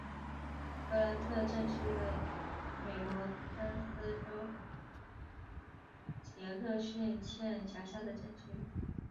格兰特镇区为美国堪萨斯州杰克逊县辖下的镇区。